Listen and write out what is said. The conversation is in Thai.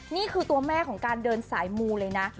นี่คือสัญลักษณ์ที่สายมูล่ะนะ